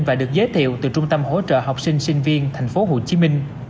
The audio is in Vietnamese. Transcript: và được giới thiệu từ trung tâm hỗ trợ học sinh sinh viên tp hcm